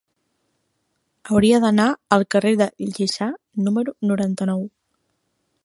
Hauria d'anar al carrer de Lliçà número noranta-nou.